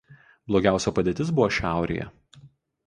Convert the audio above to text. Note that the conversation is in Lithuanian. Blogiausia padėtis buvo šiaurėje.